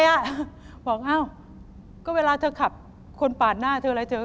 บอกเอ๊าเขาเวลาก็เวลาเคราะห์แค่คนปลาดหน้าเธออะไรเธอ